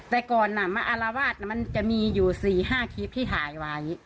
แต่ก่อนมาอารวาสมันจะมีอยู่๔๕คลิปที่ถ่ายไว้